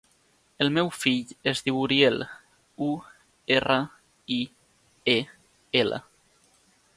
El meu fill es diu Uriel: u, erra, i, e, ela.